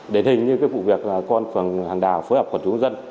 đến hình như vụ việc con phần hàng đào phối hợp quận trú dân